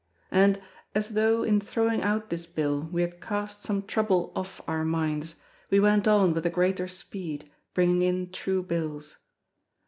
And, as though, in throwing out this bill we had cast some trouble off our minds, we went on with the greater speed, bringing in true bills.